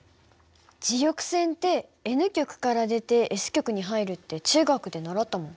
磁力線ってＮ極から出てＳ極に入るって中学で習ったもん。